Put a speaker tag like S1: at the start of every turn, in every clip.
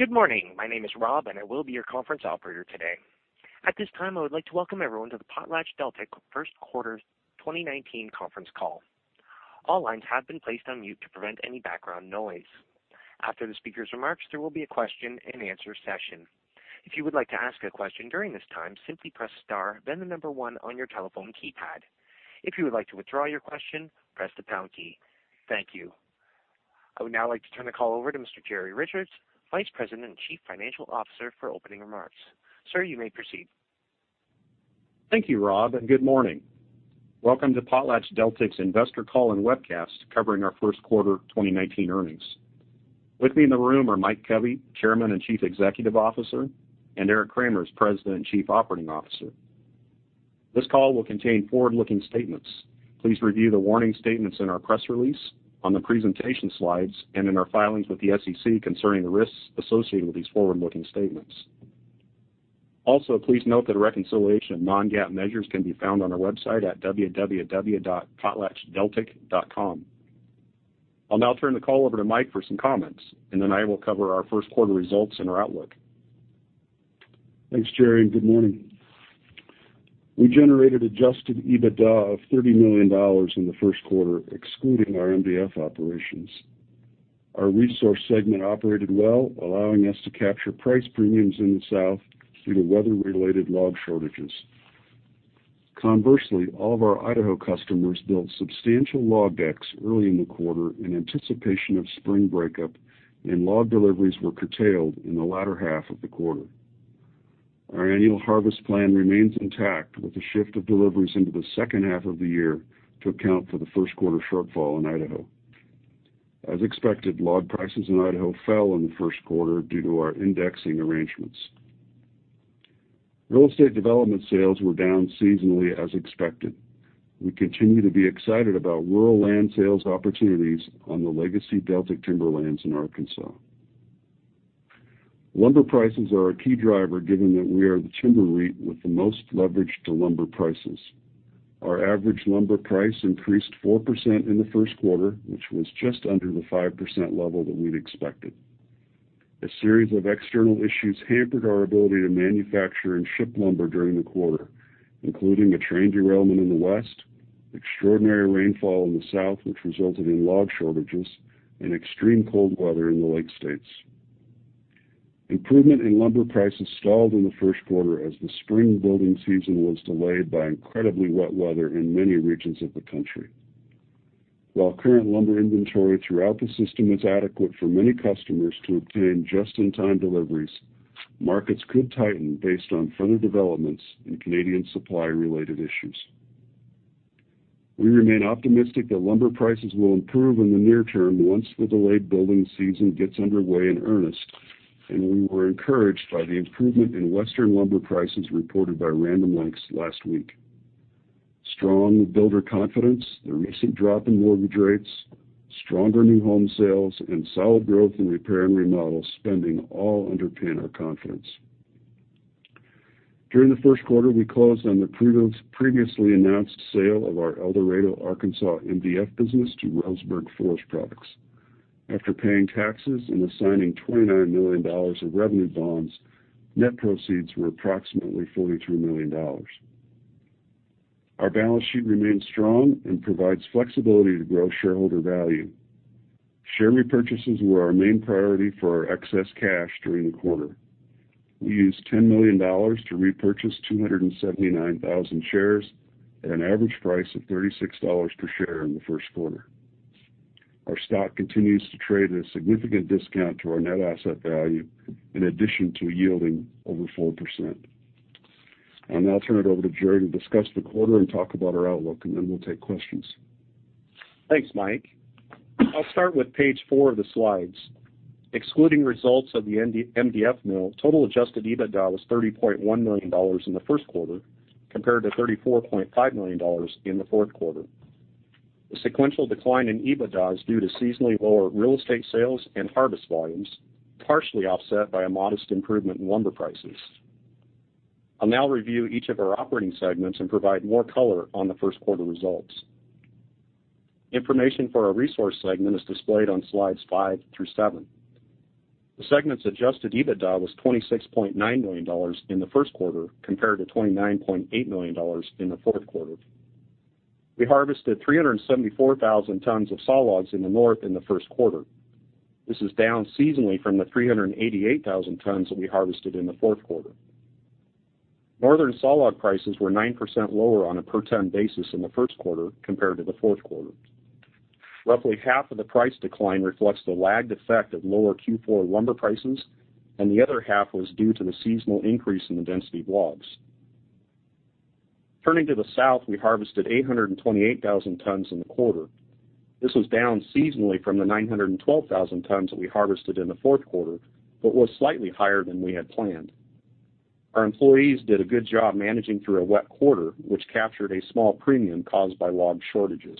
S1: Good morning. My name is Rob, and I will be your conference operator today. At this time, I would like to welcome everyone to the PotlatchDeltic First Quarter 2019 conference call. All lines have been placed on mute to prevent any background noise. After the speaker's remarks, there will be a question and answer session. If you would like to ask a question during this time, simply press star, then the number one on your telephone keypad. If you would like to withdraw your question, press the pound key. Thank you. I would now like to turn the call over to Mr. Jerry Richards, Vice President and Chief Financial Officer, for opening remarks. Sir, you may proceed.
S2: Thank you, Rob. Good morning. Welcome to PotlatchDeltic's investor call and webcast covering our first quarter 2019 earnings. With me in the room are Mike Covey, Chairman and Chief Executive Officer, and Eric Cremers, President and Chief Operating Officer. This call will contain forward-looking statements. Please review the warning statements in our press release, on the presentation slides, and in our filings with the SEC concerning the risks associated with these forward-looking statements. Please note that a reconciliation of non-GAAP measures can be found on our website at www.potlatchdeltic.com. I'll now turn the call over to Mike for some comments, and then I will cover our first quarter results and our outlook.
S3: Thanks, Jerry. Good morning. We generated adjusted EBITDA of $30 million in the first quarter, excluding our MDF operations. Our resource segment operated well, allowing us to capture price premiums in the South due to weather-related log shortages. Conversely, all of our Idaho customers built substantial log decks early in the quarter in anticipation of spring breakup, and log deliveries were curtailed in the latter half of the quarter. Our annual harvest plan remains intact with the shift of deliveries into the second half of the year to account for the first quarter shortfall in Idaho. As expected, log prices in Idaho fell in the first quarter due to our indexing arrangements. Real estate development sales were down seasonally as expected. We continue to be excited about rural land sales opportunities on the legacy Deltic Timberlands in Arkansas. Lumber prices are a key driver, given that we are the timber REIT with the most leverage to lumber prices. Our average lumber price increased 4% in the first quarter, which was just under the 5% level that we'd expected. A series of external issues hampered our ability to manufacture and ship lumber during the quarter, including a train derailment in the West, extraordinary rainfall in the South, which resulted in log shortages, and extreme cold weather in the Lake States. Improvement in lumber prices stalled in the first quarter as the spring building season was delayed by incredibly wet weather in many regions of the country. While current lumber inventory throughout the system is adequate for many customers to obtain just-in-time deliveries, markets could tighten based on further developments in Canadian supply-related issues. We remain optimistic that lumber prices will improve in the near term once the delayed building season gets underway in earnest. We were encouraged by the improvement in Western lumber prices reported by Random Lengths last week. Strong builder confidence, the recent drop in mortgage rates, stronger new home sales, and solid growth in repair and remodel spending all underpin our confidence. During the first quarter, we closed on the previously announced sale of our El Dorado, Arkansas, MDF business to Roseburg Forest Products. After paying taxes and assigning $29 million of revenue bonds, net proceeds were approximately $43 million. Our balance sheet remains strong and provides flexibility to grow shareholder value. Share repurchases were our main priority for our excess cash during the quarter. We used $10 million to repurchase 279,000 shares at an average price of $36 per share in the first quarter. Our stock continues to trade at a significant discount to our net asset value in addition to yielding over 4%. I'll now turn it over to Jerry to discuss the quarter and talk about our outlook. Then we'll take questions.
S2: Thanks, Mike. I'll start with page four of the slides. Excluding results of the MDF mill, total adjusted EBITDA was $30.1 million in the first quarter, compared to $34.5 million in the fourth quarter. The sequential decline in EBITDA is due to seasonally lower real estate sales and harvest volumes, partially offset by a modest improvement in lumber prices. I'll now review each of our operating segments and provide more color on the first quarter results. Information for our resource segment is displayed on slides five through seven. The segment's adjusted EBITDA was $26.9 million in the first quarter compared to $29.8 million in the fourth quarter. We harvested 374,000 tons of sawlogs in the North in the first quarter. This is down seasonally from the 388,000 tons that we harvested in the fourth quarter. Northern sawlog prices were 9% lower on a per-ton basis in the first quarter compared to the fourth quarter. Roughly half of the price decline reflects the lagged effect of lower Q4 lumber prices. The other half was due to the seasonal increase in the density of logs. Turning to the South, we harvested 828,000 tons in the quarter. This was down seasonally from the 912,000 tons that we harvested in the fourth quarter but was slightly higher than we had planned. Our employees did a good job managing through a wet quarter, which captured a small premium caused by log shortages.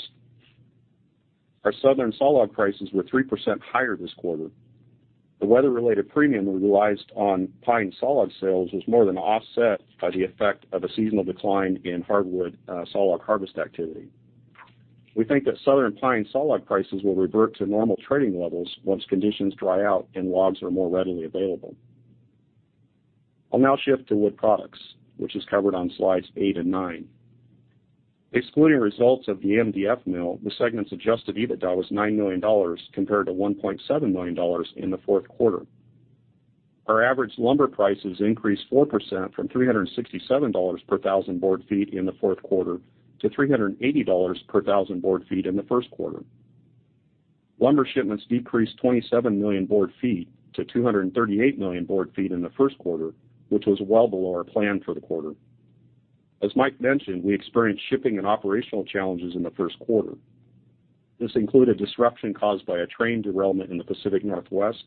S2: Our Southern sawlog prices were 3% higher this quarter. The weather-related premium we realized on pine sawlog sales was more than offset by the effect of a seasonal decline in hardwood sawlog harvest activity. We think that southern pine sawlog prices will revert to normal trading levels once conditions dry out and logs are more readily available. I'll now shift to wood products, which is covered on slides eight and nine. Excluding results of the MDF mill, the segment's adjusted EBITDA was $9 million compared to $1.7 million in the fourth quarter. Our average lumber prices increased 4% from $367 per thousand board feet in the fourth quarter to $380 per thousand board feet in the first quarter. Lumber shipments decreased 27 million board feet to 238 million board feet in the first quarter, which was well below our plan for the quarter. As Mike mentioned, we experienced shipping and operational challenges in the first quarter. This included disruption caused by a train derailment in the Pacific Northwest,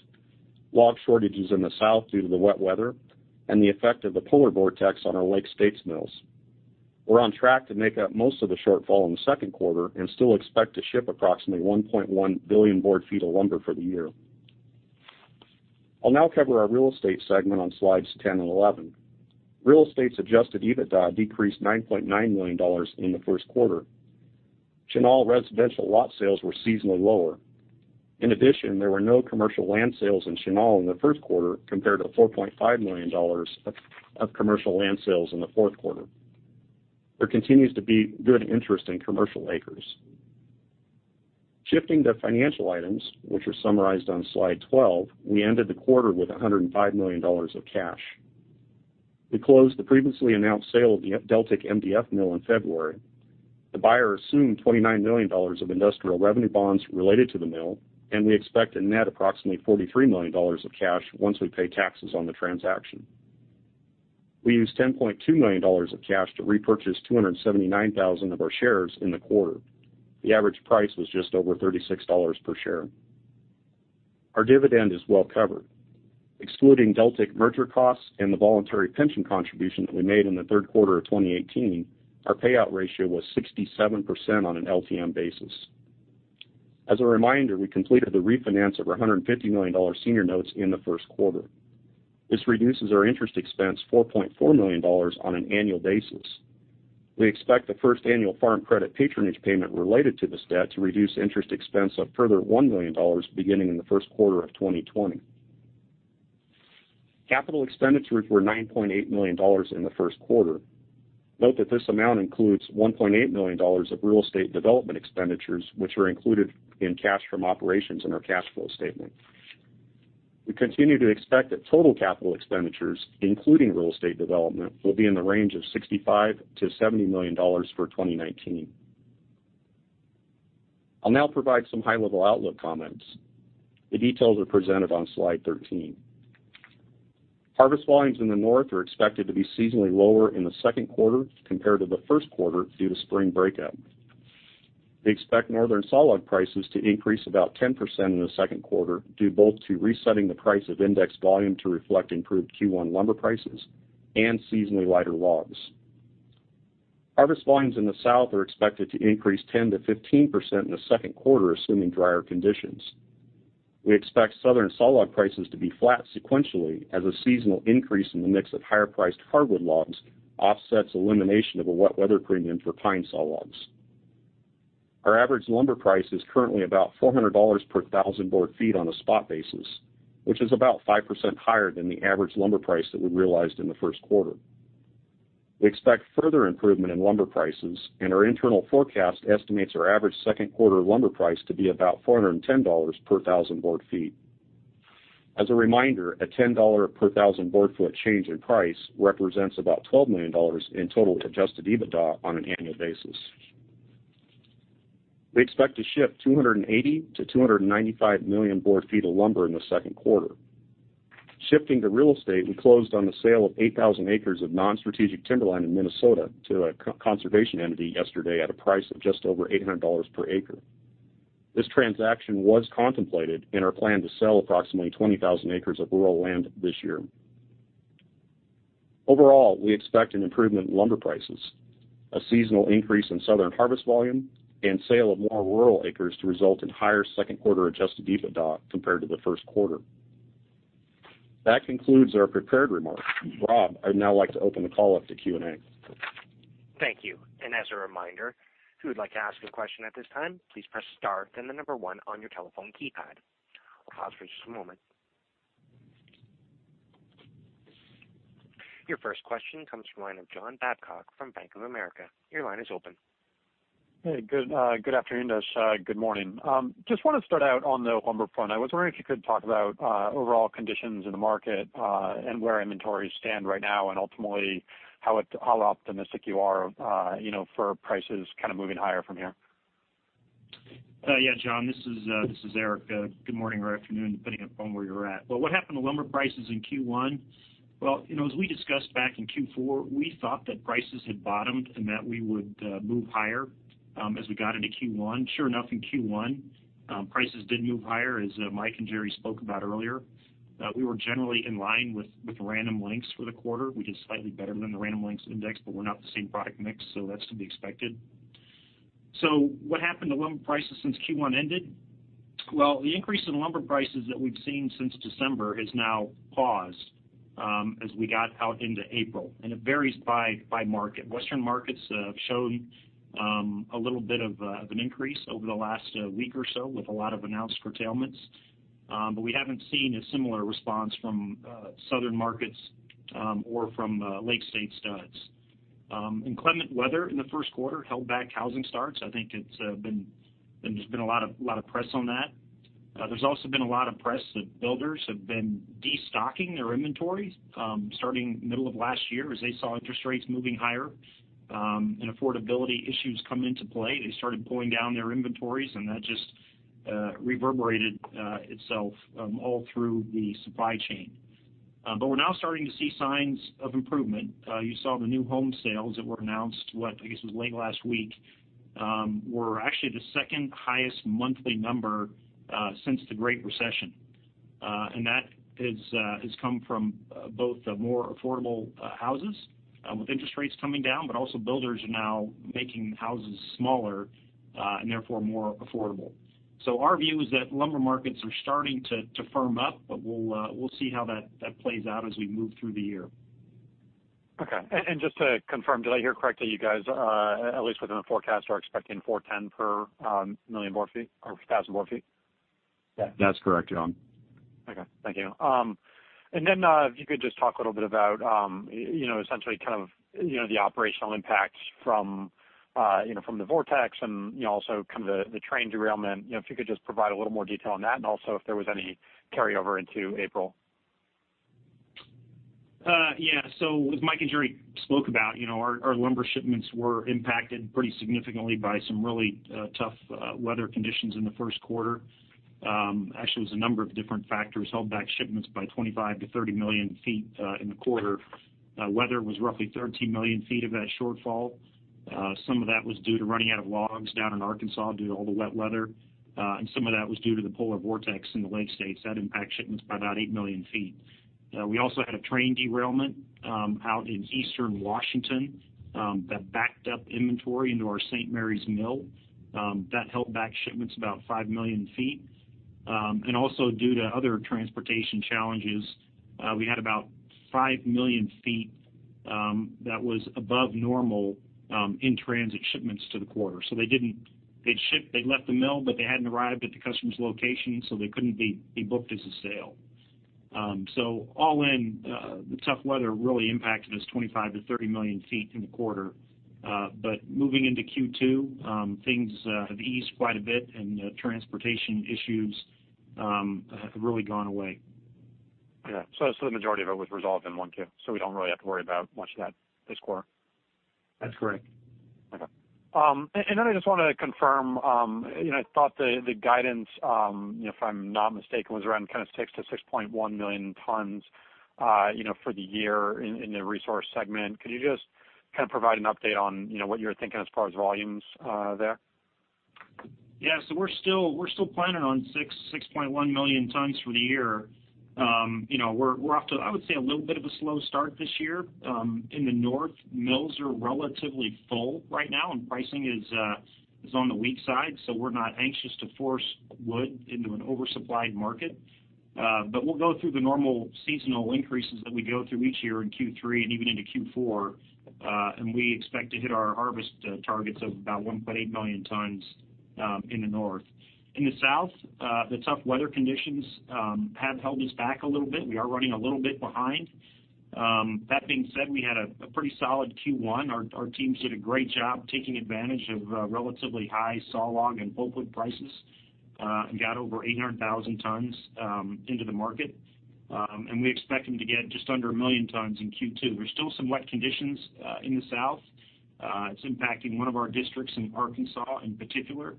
S2: log shortages in the South due to the wet weather, and the effect of the polar vortex on our Lake States mills. We're on track to make up most of the shortfall in the second quarter and still expect to ship approximately 1.1 billion board feet of lumber for the year. I'll now cover our real estate segment on slides 10 and 11. Real estate's adjusted EBITDA decreased to $9.9 million in the first quarter. Chenal residential lot sales were seasonally lower. In addition, there were no commercial land sales in Chenal in the first quarter compared to $4.5 million of commercial land sales in the fourth quarter. There continues to be good interest in commercial acres. Shifting to financial items, which are summarized on slide 12, we ended the quarter with $105 million of cash. We closed the previously announced sale of the Del-Tin Fiber LLC in February. The buyer assumed $29 million of industrial revenue bonds related to the mill, and we expect a net approximately $43 million of cash once we pay taxes on the transaction. We used $10.2 million of cash to repurchase 279,000 of our shares in the quarter. The average price was just over $36 per share. Our dividend is well-covered. Excluding Deltic merger costs and the voluntary pension contribution that we made in the third quarter of 2018, our payout ratio was 67% on an LTM basis. As a reminder, we completed the refinance of our $150 million senior notes in the first quarter. This reduces our interest expense $4.4 million on an annual basis. We expect the first annual farm credit patronage payment related to this debt to reduce interest expense a further $1 million beginning in the first quarter of 2020. Capital expenditures were $9.8 million in the first quarter. Note that this amount includes $1.8 million of real estate development expenditures, which are included in cash from operations in our cash flow statement. We continue to expect that total capital expenditures, including real estate development, will be in the range of $65 million-$70 million for 2019. I'll now provide some high-level outlook comments. The details are presented on slide 13. Harvest volumes in the North are expected to be seasonally lower in the second quarter compared to the first quarter due to spring breakup. We expect northern sawlog prices to increase about 10% in the second quarter due both to resetting the price of index volume to reflect improved Q1 lumber prices and seasonally lighter logs. Harvest volumes in the South are expected to increase 10%-15% in the second quarter, assuming drier conditions. We expect southern sawlog prices to be flat sequentially as a seasonal increase in the mix of higher-priced hardwood logs offsets elimination of a wet weather premium for pine sawlogs. Our average lumber price is currently about $400 per thousand board feet on a spot basis, which is about 5% higher than the average lumber price that we realized in the first quarter. Our internal forecast estimates our average second quarter lumber price to be about $410 per thousand board feet. As a reminder, a $10 per thousand board foot change in price represents about $12 million in total adjusted EBITDA on an annual basis. We expect to ship 280 million-295 million board feet of lumber in the second quarter. Shifting to real estate, we closed on the sale of 8,000 acres of non-strategic timberland in Minnesota to a conservation entity yesterday at a price of just over $800 per acre. This transaction was contemplated in our plan to sell approximately 20,000 acres of rural land this year. Overall, we expect an improvement in lumber prices, a seasonal increase in southern harvest volume, and sale of more rural acres to result in higher second-quarter adjusted EBITDA compared to the first quarter. That concludes our prepared remarks. Rob, I'd now like to open the call up to Q&A.
S1: Thank you. As a reminder, if you would like to ask a question at this time, please press star then the number 1 on your telephone keypad. I'll pause for just a moment. Your first question comes from the line of John Babcock from Bank of America. Your line is open.
S4: Hey, good afternoon to us. Good morning. Just want to start out on the lumber front. I was wondering if you could talk about overall conditions in the market, and where inventories stand right now, and ultimately how optimistic you are for prices kind of moving higher from here.
S5: Yeah, John, this is Eric. Good morning or afternoon, depending upon where you're at. Well, what happened to lumber prices in Q1? Well, as we discussed back in Q4, we thought that prices had bottomed and that we would move higher as we got into Q1. Sure enough, in Q1, prices did move higher, as Mike and Jerry spoke about earlier. We were generally in line with Random Lengths for the quarter. We did slightly better than the Random Lengths index, but we're not the same product mix, so that's to be expected. What happened to lumber prices since Q1 ended? Well, the increase in lumber prices that we've seen since December has now paused as we got out into April, and it varies by market. Western markets have shown a little bit of an increase over the last week or so with a lot of announced curtailments. We haven't seen a similar response from southern markets or from Lake States studs. Inclement weather in the first quarter held back housing starts. I think there's been a lot of press on that. There's also been a lot of press that builders have been de-stocking their inventory starting middle of last year as they saw interest rates moving higher, and affordability issues come into play. They started pulling down their inventories, and that just reverberated itself all through the supply chain. We're now starting to see signs of improvement. You saw the new home sales that were announced, I guess it was late last week, were actually the second-highest monthly number since the Great Recession. That has come from both the more affordable houses with interest rates coming down, but also builders are now making houses smaller, and therefore more affordable. Our view is that lumber markets are starting to firm up, but we'll see how that plays out as we move through the year.
S4: Okay. Just to confirm, did I hear correctly, you guys, at least within the forecast, are expecting $410 per thousand board feet?
S5: Yeah.
S2: That's correct, John.
S4: Then, if you could just talk a little bit about essentially the operational impacts from the vortex and also the train derailment. If you could just provide a little more detail on that, and also if there was any carryover into April.
S5: As Mike and Jerry spoke about, our lumber shipments were impacted pretty significantly by some really tough weather conditions in the first quarter. Actually, it was a number of different factors held back shipments by 25 million-30 million feet in the quarter. Weather was roughly 13 million feet of that shortfall. Some of that was due to running out of logs down in Arkansas due to all the wet weather. Some of that was due to the polar vortex in the Lake States. That impacted shipments by about 8 million feet. We also had a train derailment out in Eastern Washington that backed up inventory into our St. Maries mill. That held back shipments about 5 million feet. Also due to other transportation challenges, we had about 5 million feet that was above normal in-transit shipments to the quarter. They'd shipped, they'd left the mill, but they hadn't arrived at the customer's location, they couldn't be booked as a sale. All in, the tough weather really impacted us 25 million-30 million feet in the quarter. Moving into Q2, things have eased quite a bit and the transportation issues have really gone away.
S4: Okay. The majority of it was resolved in 1Q, so we don't really have to worry about much of that this quarter.
S5: That's correct.
S4: Okay. I just wanted to confirm, I thought the guidance if I'm not mistaken, was around kind of 6 million tons-6.1 million tons for the year in the resource segment. Could you just kind of provide an update on what you're thinking as far as volumes there?
S5: Yeah. We're still planning on 6.1 million tons for the year. We're off to, I would say, a little bit of a slow start this year. In the North, mills are relatively full right now, and pricing is on the weak side, so we're not anxious to force wood into an oversupplied market. We'll go through the normal seasonal increases that we go through each year in Q3 and even into Q4. We expect to hit our harvest targets of about 1.8 million tons in the North. In the South, the tough weather conditions have held us back a little bit. We are running a little bit behind. That being said, we had a pretty solid Q1. Our teams did a great job taking advantage of relatively high sawlog and whole wood prices, and got over 800,000 tons into the market. We expect them to get just under 1 million tons in Q2. There's still some wet conditions in the South. It's impacting one of our districts in Arkansas in particular.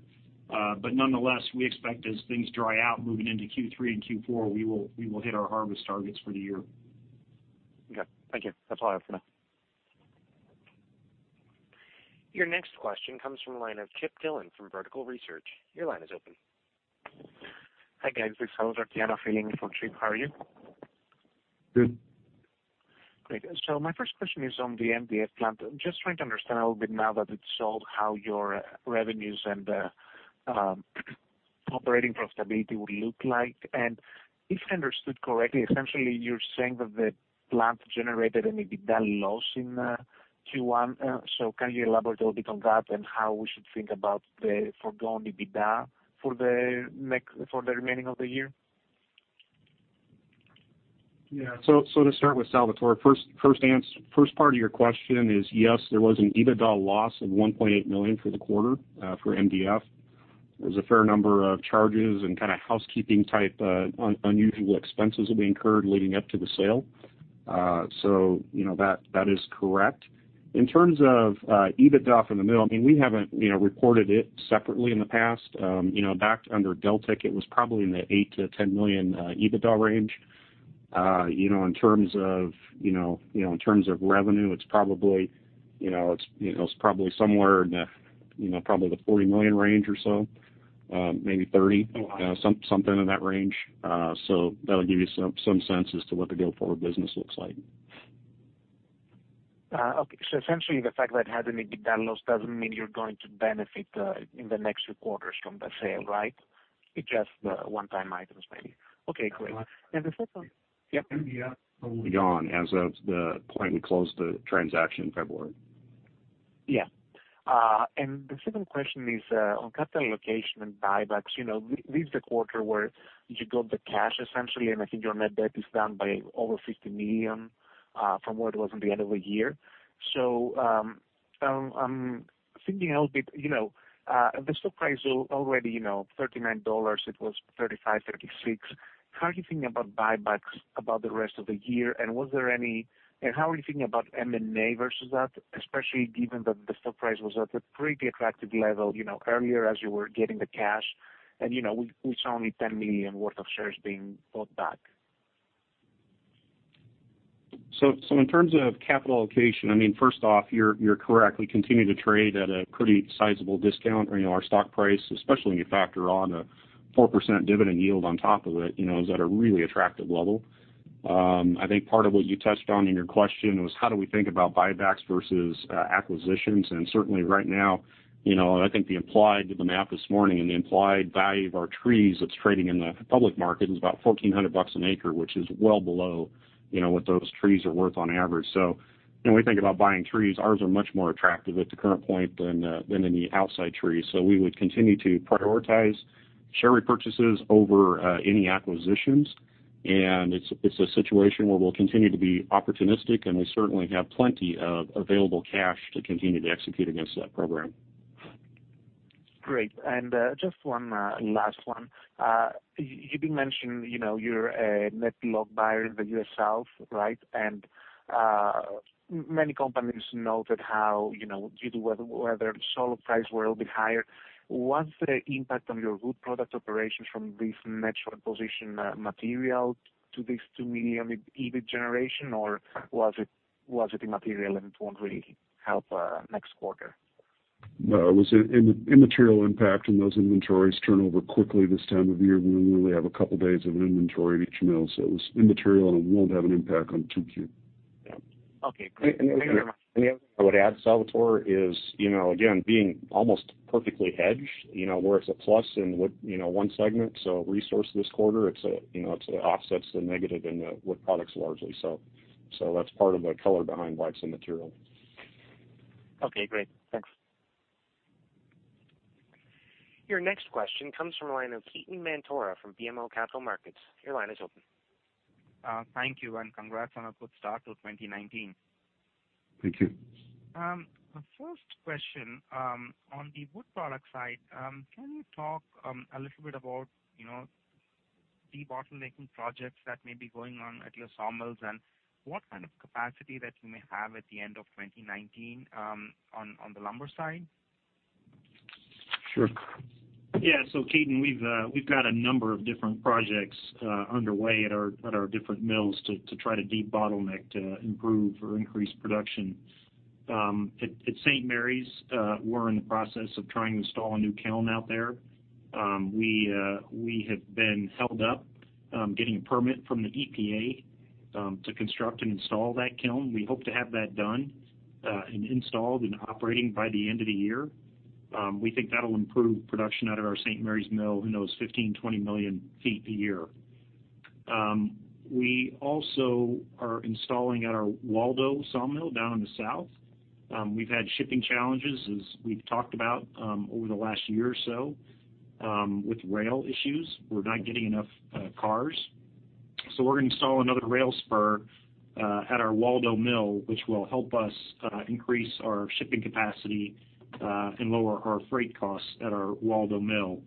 S5: Nonetheless, we expect as things dry out moving into Q3 and Q4, we will hit our harvest targets for the year.
S4: Okay. Thank you. That's all I have for now.
S1: Your next question comes from the line of Chip Dillon from Vertical Research. Your line is open.
S6: Hi, guys. This is Salvator Tiano in for Chip. How are you?
S2: Good.
S6: Great. My first question is on the MDF plant. Just trying to understand a little bit now that it's sold, how your revenues and operating profitability will look like. If I understood correctly, essentially you're saying that the plant generated an EBITDA loss in Q1. Can you elaborate a little bit on that and how we should think about the forgone EBITDA for the remaining of the year?
S2: To start with, Salvatore, first part of your question is, yes, there was an EBITDA loss of $1.8 million for the quarter for MDF. There was a fair number of charges and kind of housekeeping-type unusual expenses that we incurred leading up to the sale. That is correct. In terms of EBITDA from the mill, we haven't reported it separately in the past. Back under Deltic, it was probably in the $8 million-$10 million EBITDA range. In terms of revenue, it's probably somewhere in the $40 million range or so, maybe $30 million, something in that range. That'll give you some sense as to what the go-forward business looks like.
S6: Essentially the fact that it had an EBITDA loss doesn't mean you're going to benefit in the next few quarters from the sale, right? It's just the one-time items maybe. Great. The second-
S2: Probably gone as of the point we closed the transaction in February.
S6: Yeah. The second question is on capital allocation and buybacks. This is the quarter where you got the cash essentially, I think your net debt is down by over $50 million from where it was at the end of the year. I'm thinking a little bit, the stock price already $39, it was $35, $36. How are you thinking about buybacks about the rest of the year, how are you thinking about M&A versus that, especially given that the stock price was at a pretty attractive level earlier as you were getting the cash, we saw only $10 million worth of shares being bought back?
S2: In terms of capital allocation, first off, you're correct. We continue to trade at a pretty sizable discount our stock price, especially when you factor on a 4% dividend yield on top of it, is at a really attractive level. I think part of what you touched on in your question was how do we think about buybacks versus acquisitions? Certainly right now, I think the implied to the map this morning and the implied value of our trees that's trading in the public market is about $1,400 an acre, which is well below what those trees are worth on average. When we think about buying trees, ours are much more attractive at the current point than any outside trees. We would continue to prioritize share repurchases over any acquisitions, it's a situation where we'll continue to be opportunistic, we certainly have plenty of available cash to continue to execute against that program.
S6: Great. Just one last one. You did mention your net log buyer in the U.S. South, right? Many companies noted how due to weather, sawlog prices were a little bit higher. Was the impact on your wood product operations from this net short position material to this $2 million EBIT generation, or was it immaterial and it won't really help next quarter?
S2: No, it was an immaterial impact. Those inventories turn over quickly this time of year. We really have a couple days of inventory at each mill. It was immaterial and it won't have an impact on 2Q.
S6: Okay, great. Thank you very much.
S2: The other thing I would add, Salvatore, is again, being almost perfectly hedged, where it's a plus in one segment, so resource this quarter, it offsets the negative in the wood products largely. That's part of the color behind why it's immaterial.
S6: Okay, great. Thanks.
S1: Your next question comes from the line of Ketan Mamtora from BMO Capital Markets. Your line is open.
S7: Thank you. Congrats on a good start to 2019.
S2: Thank you.
S7: The first question, on the wood product side, can you talk a little bit about debottlenecking projects that may be going on at your sawmills and what kind of capacity that you may have at the end of 2019 on the lumber side?
S2: Sure.
S5: Ketan, we've got a number of different projects underway at our different mills to try to debottleneck to improve or increase production. At St. Maries, we're in the process of trying to install a new kiln out there. We have been held up getting a permit from the EPA to construct and install that kiln. We hope to have that done and installed and operating by the end of the year. We think that'll improve production out of our St. Maries mill, who knows, 15 million-20 million feet a year. We also are installing at our Waldo sawmill down in the south. We've had shipping challenges as we've talked about over the last year or so with rail issues. We're not getting enough cars. We're going to install another rail spur at our Waldo mill, which will help us increase our shipping capacity and lower our freight costs at our Waldo mill.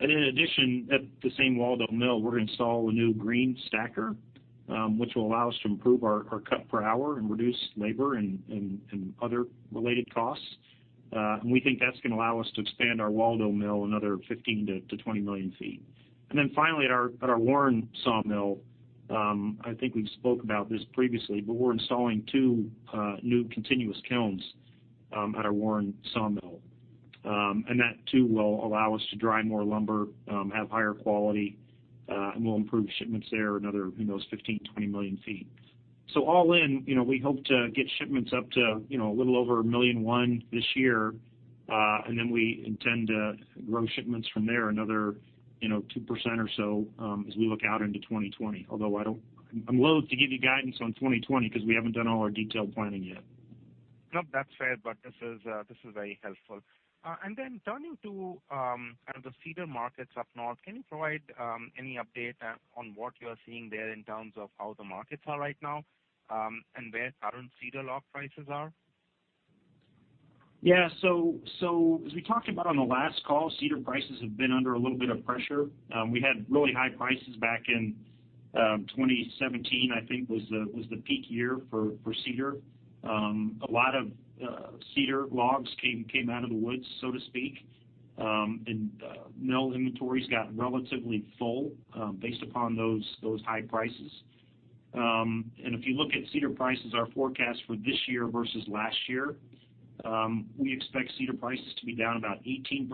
S5: In addition, at the same Waldo mill, we're going to install a new green stacker, which will allow us to improve our cut per hour and reduce labor and other related costs. We think that's going to allow us to expand our Waldo mill another 15 million-20 million feet. Finally at our Warren sawmill, I think we've spoke about this previously, but we're installing two new continuous kilns at our Warren sawmill. That too will allow us to dry more lumber, have higher quality, and we'll improve shipments there another, who knows, 15 million-20 million feet. All in, we hope to get shipments up to a little over 1.1 million this year, then we intend to grow shipments from there another 2% or so as we look out into 2020. Although I'm loathe to give you guidance on 2020 because we haven't done all our detailed planning yet.
S7: No, that's fair, but this is very helpful. Turning to the cedar markets up north, can you provide any update on what you are seeing there in terms of how the markets are right now and where current cedar log prices are?
S5: Yeah. As we talked about on the last call, cedar prices have been under a little bit of pressure. We had really high prices back in 2017, I think was the peak year for cedar. A lot of cedar logs came out of the woods, so to speak, and mill inventories got relatively full based upon those high prices. If you look at cedar prices, our forecast for this year versus last year
S2: We expect cedar prices to be down about 18%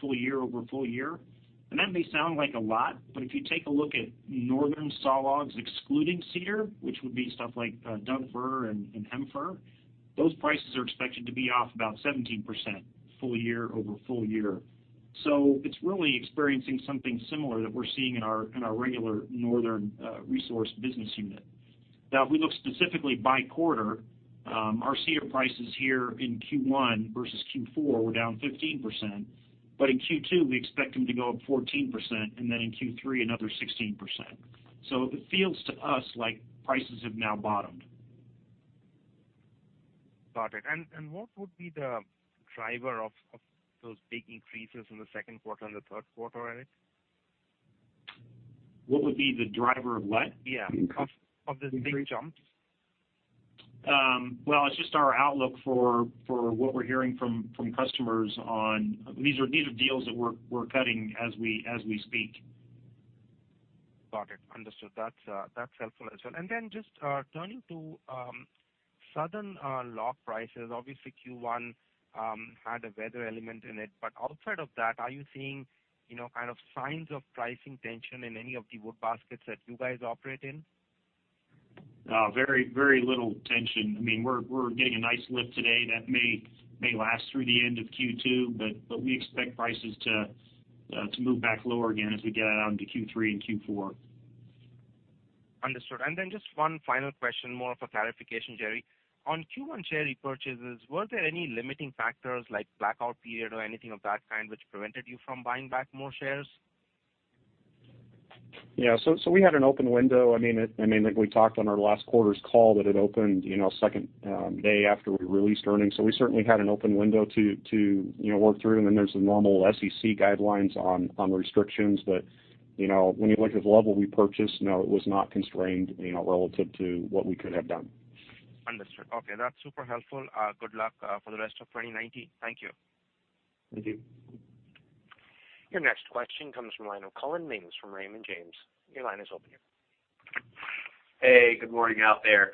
S2: full-year over full-year. That may sound like a lot, but if you take a look at northern sawlogs excluding cedar, which would be stuff like Douglas fir and Hem-Fir, those prices are expected to be off about 17% full-year over full-year. It's really experiencing something similar that we're seeing in our regular northern resource business unit. If we look specifically by quarter, our cedar prices here in Q1 versus Q4 were down 15%, in Q2 we expect them to go up 14%, in Q3, another 16%. It feels to us like prices have now bottomed.
S7: Got it. What would be the driver of those big increases in the second quarter and the third quarter, Eric?
S2: What would be the driver of what?
S7: Yeah. Of this big jump.
S2: Well, it's just our outlook for what we're hearing from customers on, these are deals that we're cutting as we speak.
S7: Got it. Understood. That's helpful as well. Then just turning to Southern log prices. Obviously Q1 had a weather element in it. Outside of that, are you seeing kind of signs of pricing tension in any of the wood baskets that you guys operate in?
S5: Very little tension. We're getting a nice lift today that may last through the end of Q2, we expect prices to move back lower again as we get out into Q3 and Q4.
S7: Understood. Then just one final question, more of a clarification, Jerry. On Q1 share repurchases, were there any limiting factors like blackout period or anything of that kind, which prevented you from buying back more shares?
S2: Yeah, we had an open window. Like we talked on our last quarter's call that it opened second day after we released earnings. We certainly had an open window to work through and then there's the normal SEC guidelines on restrictions. When you look at the level we purchased, no, it was not constrained relative to what we could have done.
S7: Understood. Okay. That's super helpful. Good luck for the rest of 2019. Thank you.
S2: Thank you.
S1: Your next question comes from the line of Collin Mings from Raymond James. Your line is open.
S8: Hey, good morning out there.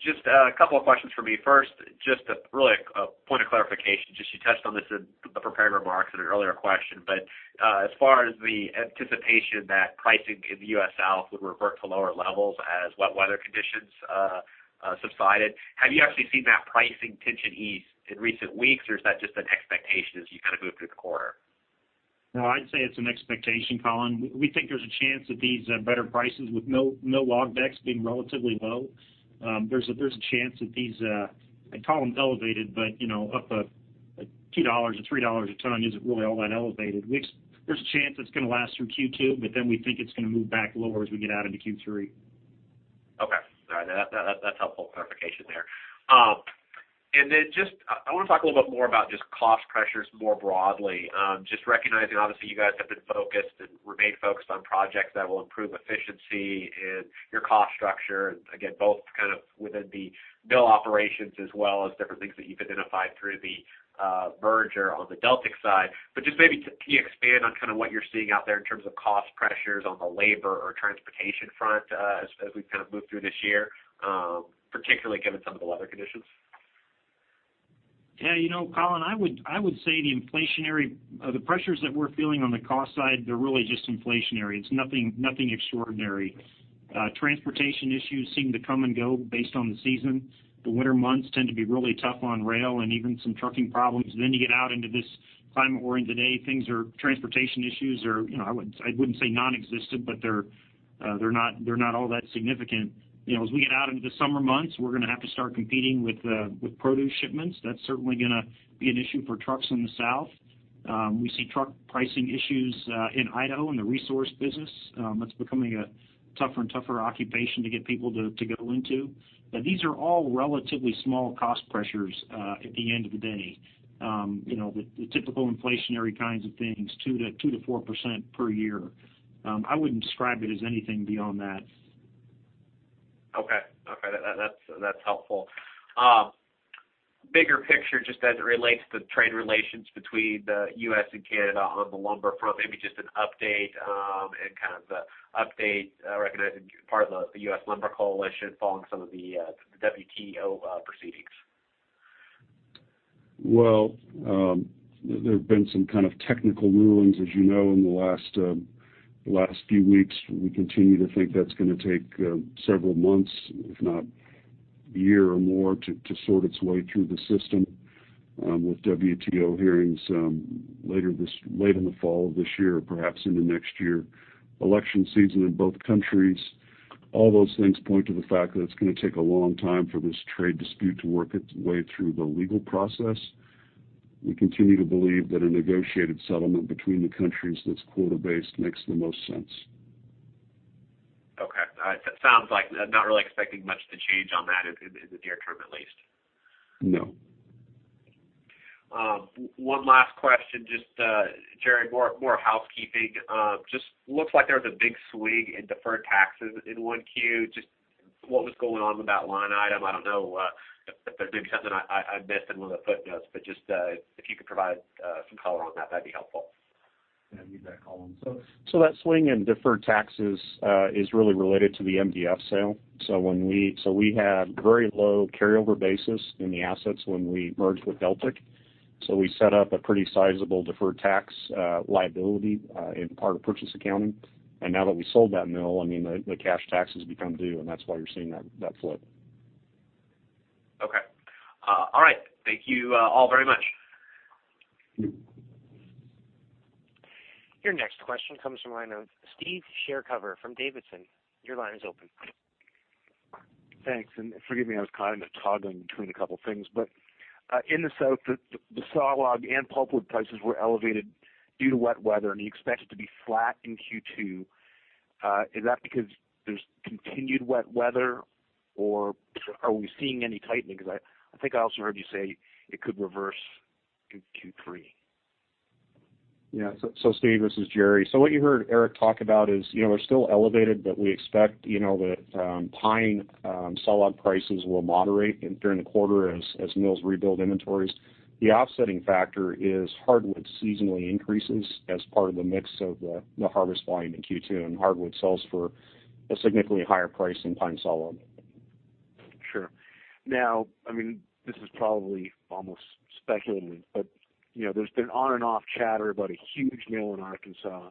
S8: Just a couple of questions for me. First, just really a point of clarification, you touched on this in the prepared remarks in an earlier question, but as far as the anticipation that pricing in the U.S. South would revert to lower levels as wet weather conditions subsided, have you actually seen that pricing tension ease in recent weeks, or is that just an expectation as you kind of move through the quarter?
S2: I'd say it's an expectation, Collin. We think there's a chance that these better prices with mill log decks being relatively low, there's a chance that these, I call them elevated, but up a $2 or $3 a ton isn't really all that elevated. There's a chance it's going to last through Q2, but then we think it's going to move back lower as we get out into Q3.
S8: Okay. All right. That's helpful clarification there. Just I want to talk a little bit more about just cost pressures more broadly. Just recognizing, obviously, you guys have been focused and remain focused on projects that will improve efficiency in your cost structure, again, both kind of within the mill operations as well as different things that you've identified through the merger on the Deltic side. Just maybe can you expand on kind of what you're seeing out there in terms of cost pressures on the labor or transportation front as we've kind of moved through this year, particularly given some of the weather conditions?
S2: Yeah, Collin, I would say the inflationary pressures that we're feeling on the cost side, they're really just inflationary. It's nothing extraordinary. Transportation issues seem to come and go based on the season. The winter months tend to be really tough on rail and even some trucking problems. You get out into this climate we're in today, transportation issues are, I wouldn't say nonexistent, but they're not all that significant. As we get out into the summer months, we're going to have to start competing with produce shipments. That's certainly going to be an issue for trucks in the South. We see truck pricing issues in Idaho in the resource business. That's becoming a tougher and tougher occupation to get people to go into. These are all relatively small cost pressures at the end of the day. The typical inflationary kinds of things, 2%-4% per year. I wouldn't describe it as anything beyond that.
S8: Okay. That's helpful. Bigger picture, just as it relates to trade relations between the U.S. and Canada on the lumber front, maybe just an update, and kind of the update recognizing part of the U.S. Lumber Coalition following some of the WTO proceedings.
S3: There have been some kind of technical rulings, as you know, in the last few weeks. We continue to think that's going to take several months, if not a year or more, to sort its way through the system with WTO hearings later late in the fall of this year or perhaps into next year. Election season in both countries. All those things point to the fact that it's going to take a long time for this trade dispute to work its way through the legal process. We continue to believe that a negotiated settlement between the countries that's quota-based makes the most sense.
S8: Okay. It sounds like not really expecting much to change on that in the near term, at least.
S3: No.
S8: One last question, just, Jerry, more housekeeping. Just looks like there was a big swing in deferred taxes in 1Q. Just what was going on with that line item? I don't know if there's maybe something I missed in one of the footnotes, but just if you could provide some color on that'd be helpful.
S2: Yeah, I need that column. That swing in deferred taxes is really related to the MDF sale. We had very low carryover basis in the assets when we merged with Deltic. We set up a pretty sizable deferred tax liability as part of purchase accounting. Now that we sold that mill, the cash taxes become due, and that's why you're seeing that flip.
S8: Okay. All right. Thank you all very much.
S1: Your next question comes from the line of Steve Chercover from Davidson. Your line is open.
S9: Thanks. Forgive me, I was kind of toggling between a couple things. In the south, the saw log and pulpwood prices were elevated due to wet weather. You expect it to be flat in Q2. Is that because there's continued wet weather, or are we seeing any tightening? I think I also heard you say it could reverse in Q3.
S2: Steve, this is Jerry. What you heard Eric talk about is they're still elevated. We expect that pine saw log prices will moderate during the quarter as mills rebuild inventories. The offsetting factor is hardwood seasonally increases as part of the mix of the harvest volume in Q2. Hardwood sells for a significantly higher price than pine saw log.
S9: Sure. This is probably almost speculative. There's been on-and-off chatter about a huge mill in Arkansas.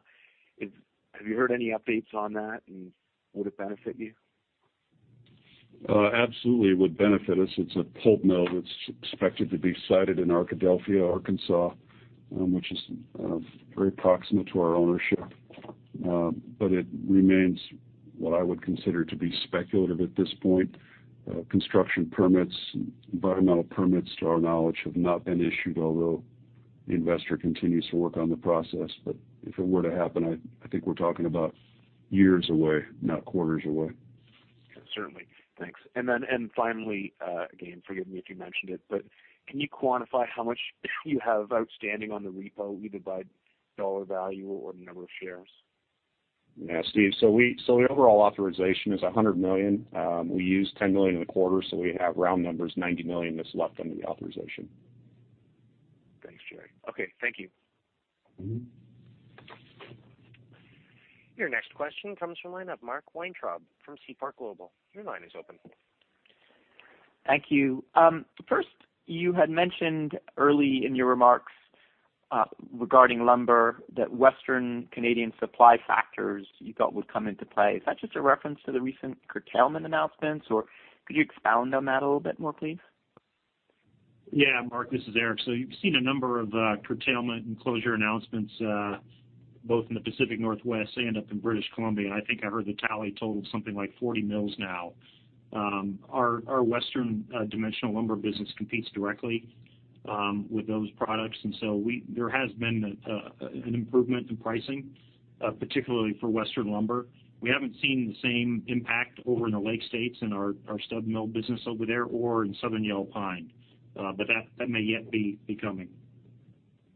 S9: Have you heard any updates on that? Would it benefit you?
S3: Absolutely, it would benefit us. It's a pulp mill that's expected to be sited in Arkadelphia, Arkansas which is very proximate to our ownership. It remains what I would consider to be speculative at this point. Construction permits, environmental permits, to our knowledge, have not been issued, although the investor continues to work on the process. If it were to happen, I think we're talking about years away, not quarters away.
S9: Certainly. Thanks. Finally, again, forgive me if you mentioned it, can you quantify how much you have outstanding on the repo, either by dollar value or number of shares?
S2: Yeah. Steve, the overall authorization is $100 million. We used $10 million in the quarter, we have, round numbers, $90 million that's left under the authorization.
S9: Thanks, Jerry. Okay. Thank you.
S1: Your next question comes from line of Mark Weintraub from Seaport Global. Your line is open.
S10: Thank you. First, you had mentioned early in your remarks regarding lumber that Western Canadian supply factors you thought would come into play. Is that just a reference to the recent curtailment announcements, or could you expound on that a little bit more, please?
S5: Yeah. Mark, this is Eric. You've seen a number of curtailment and closure announcements both in the Pacific Northwest and up in British Columbia, and I think I heard the tally total something like 40 mills now. Our Western dimensional lumber business competes directly with those products, There has been an improvement in pricing, particularly for Western lumber. We haven't seen the same impact over in the Lake states in our stud mill business over there or in Southern Yellow Pine. That may yet be coming.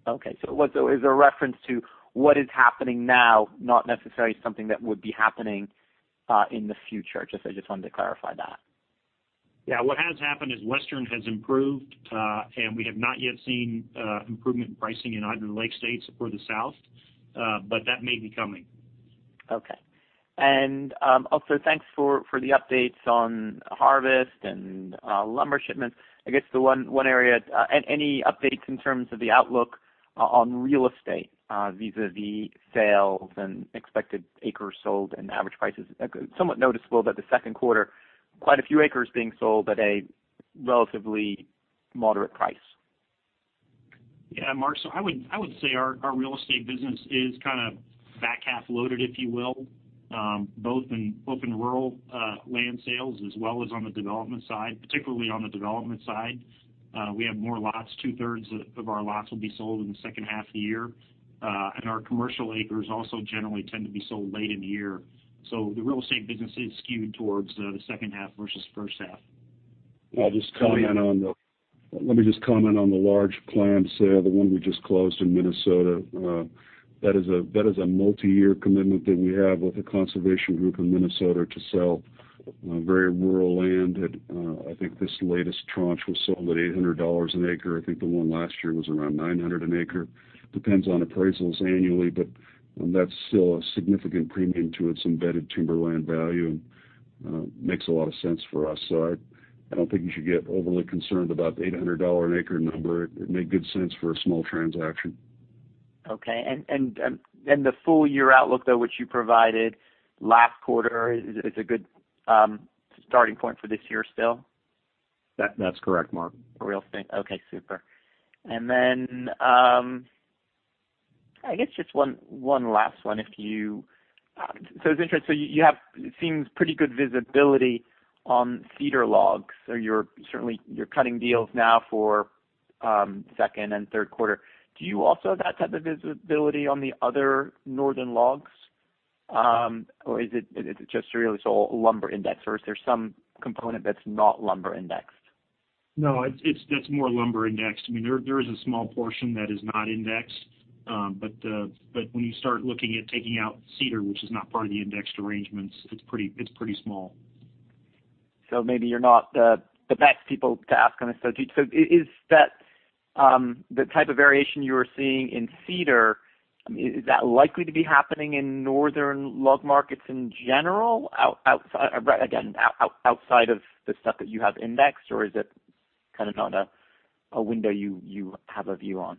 S10: Okay. It was a reference to what is happening now, not necessarily something that would be happening in the future. I just wanted to clarify that.
S5: What has happened is Western has improved, and we have not yet seen improvement in pricing in either the Lake states or the South. That may be coming.
S10: Okay. Also, thanks for the updates on harvest and lumber shipments. I guess the one area, any updates in terms of the outlook on real estate vis-a-vis sales and expected acres sold and average prices? Somewhat noticeable that the second quarter, quite a few acres being sold at a relatively moderate price.
S2: Yeah. Mark, I would say our real estate business is kind of back-half loaded, if you will, both in rural land sales as well as on the development side, particularly on the development side. We have more lots. Two-thirds of our lots will be sold in the second half of the year. Our commercial acres also generally tend to be sold late in the year. The real estate business is skewed towards the second half versus first half.
S3: Let me just comment on the large planned sale, the one we just closed in Minnesota. That is a multi-year commitment that we have with a conservation group in Minnesota to sell very rural land at, I think this latest tranche was sold at $800 an acre. I think the one last year was around $900 an acre. Depends on appraisals annually, that's still a significant premium to its embedded timberland value and makes a lot of sense for us. I don't think you should get overly concerned about the $800 an acre number. It made good sense for a small transaction.
S10: Okay. The full-year outlook, though, which you provided last quarter, is a good starting point for this year still?
S2: That's correct, Mark.
S10: Real estate. Okay, super. I guess just one last one. It's interesting, so you have, it seems, pretty good visibility on cedar logs, or you're certainly cutting deals now for second and third quarter. Do you also have that type of visibility on the other northern logs? Or is it just really lumber indexed, or is there some component that's not lumber indexed?
S2: No, that's more lumber indexed. There is a small portion that is not indexed. When you start looking at taking out cedar, which is not part of the indexed arrangements, it's pretty small.
S10: Maybe you're not the best people to ask on this. Is the type of variation you are seeing in cedar, is that likely to be happening in northern log markets in general? Again, outside of the stuff that you have indexed, or is it kind of not a window you have a view on?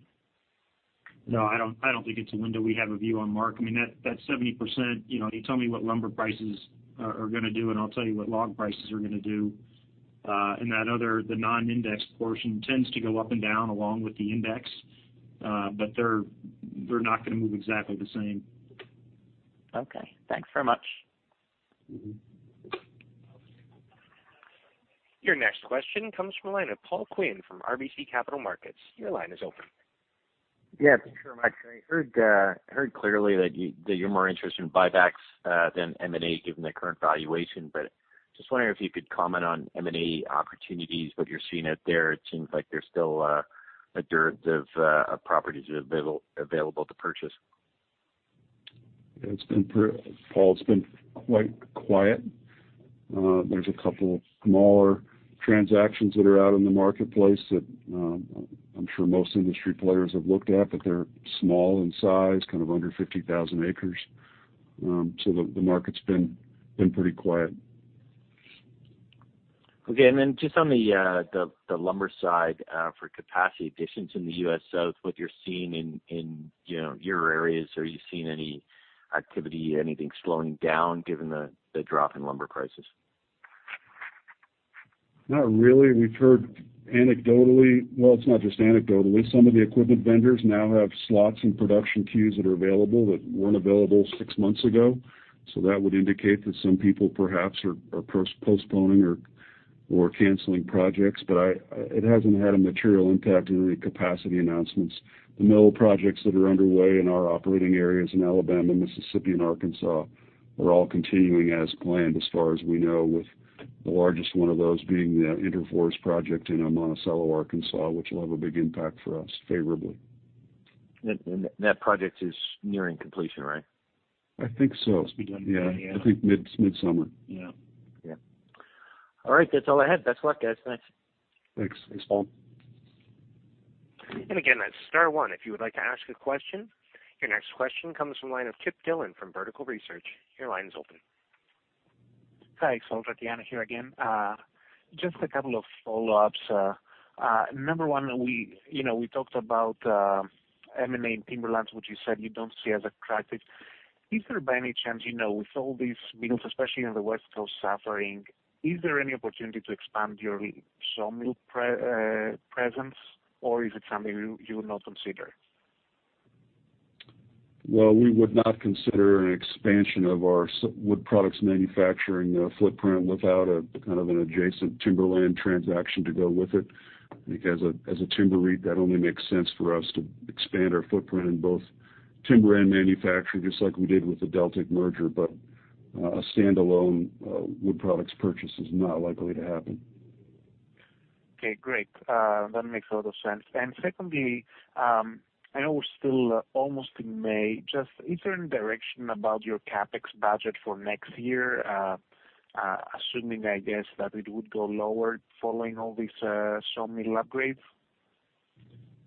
S2: No, I don't think it's a window we have a view on, Mark. That 70%, you tell me what lumber prices are going to do, and I'll tell you what log prices are going to do. That other, the non-indexed portion tends to go up and down along with the index. They're not going to move exactly the same.
S10: Okay. Thanks very much.
S1: Your next question comes from the line of Paul Quinn from RBC Capital Markets. Your line is open.
S11: Yeah, sure, Mike. I heard clearly that you're more interested in buybacks than M&A given the current valuation. Just wondering if you could comment on M&A opportunities, what you're seeing out there. It seems like there's still a dearth of properties available to purchase.
S3: Paul, it's been quite quiet. There's a couple of smaller transactions that are out in the marketplace that I'm sure most industry players have looked at. They're small in size, kind of under 50,000 acres. The market's been pretty quiet.
S11: Okay. Just on the lumber side for capacity additions in the U.S. South, what you're seeing in your areas. Are you seeing any activity, anything slowing down given the drop in lumber prices?
S3: Not really. We've heard anecdotally Well, it's not just anecdotally. Some of the equipment vendors now have slots and production queues that are available that weren't available six months ago. That would indicate that some people perhaps are postponing or canceling projects. It hasn't had a material impact in the capacity announcements. The mill projects that are underway in our operating areas in Alabama, Mississippi, and Arkansas are all continuing as planned as far as we know, with the largest one of those being the Interfor project in Monticello, Arkansas, which will have a big impact for us favorably.
S11: That project is nearing completion, right?
S3: I think so.
S2: Must be done, yeah.
S3: Yeah, I think mid-summer.
S2: Yeah.
S11: Yeah. All right, that's all I had. Best of luck, guys. Thanks.
S3: Thanks. Thanks, Paul.
S1: Again, that's star one if you would like to ask a question. Your next question comes from the line of Chip Dillon from Vertical Research. Your line is open.
S6: Thanks. Salvatore Anafili here again. Just a couple of follow-ups. Number 1, we talked about M&A in timberlands, which you said you don't see as attractive. Is there by any chance, with all these mills, especially in the West Coast suffering, is there any opportunity to expand your sawmill presence, or is it something you would not consider?
S3: Well, we would not consider an expansion of our wood products manufacturing footprint without a kind of an adjacent timberland transaction to go with it. Because as a timber REIT, that only makes sense for us to expand our footprint in both timber and manufacturing, just like we did with the Deltic merger, but a standalone wood products purchase is not likely to happen.
S6: Okay, great. That makes a lot of sense. Secondly, I know we're still almost in May, just is there any direction about your CapEx budget for next year, assuming, I guess that it would go lower following all these sawmill upgrades?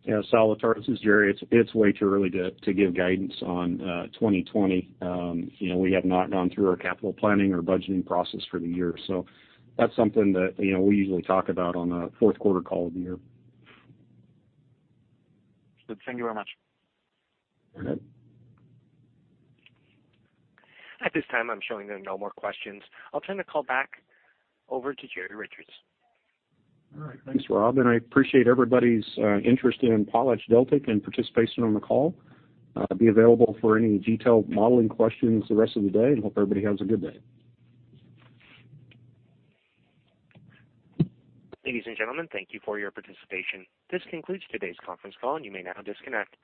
S2: Yeah, Sal, it's Jerry. It's way too early to give guidance on 2020. We have not gone through our capital planning or budgeting process for the year. That's something that we usually talk about on a fourth quarter call of the year.
S6: Good. Thank you very much.
S2: Go ahead.
S1: At this time, I'm showing there are no more questions. I'll turn the call back over to Jerry Richards.
S2: All right. Thanks, Rob, and I appreciate everybody's interest in PotlatchDeltic and participation on the call. I'll be available for any detailed modeling questions the rest of the day and hope everybody has a good day.
S1: Ladies and gentlemen, thank you for your participation. This concludes today's conference call, and you may now disconnect.